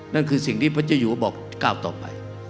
นั่นคือสิ่งที่พระเจ้าอยู่ก็บอกก้าวต่อไป